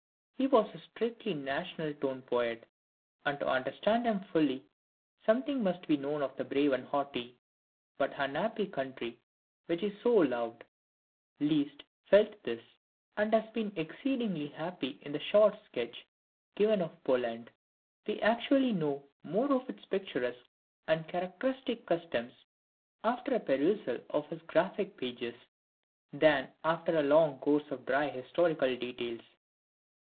He was a strictly national tone poet, and to understand him fully, something must be known of the brave and haughty, but unhappy country which he so loved. Liszt felt this, and has been exceedingly happy in the short sketch given of Poland. We actually know more of its picturesque and characteristic customs after a perusal of his graphic pages, than after a long course of dry historical details.